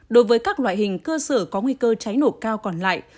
đối với các loại hình cơ sở có nguy cơ cháy nổ cao còn lại